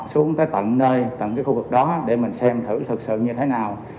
xuống tới tận nơi từng cái khu vực đó để mình xem thử thực sự như thế nào